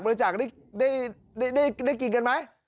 บริจาคได้กินกันไหม